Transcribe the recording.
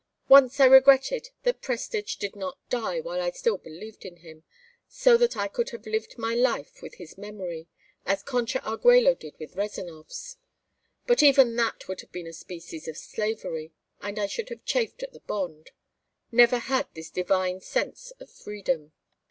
Once I regretted that Prestage did not die while I still believed in him, so that I could have lived my life with his memory, as Concha Argüello did with Rezánov's. But even that would have been a species of slavery, and I should have chafed at the bond; never had this divine sense of freedom."